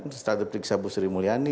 setelah diperiksa bu sri mulyani